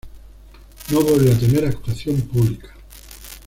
No volvió a tener actuación pública.